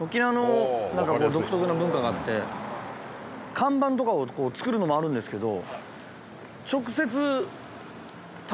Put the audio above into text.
看板とかを作るのもあるんですけど。